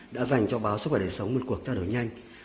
đã dành cho báo sức khỏe đời sống một cuộc trao đổi nhanh